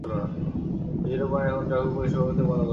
সেই zero point এখন traffic পুলিশের পক্ষ থেকে বন্ধ করে দেওয়া হয়েছে।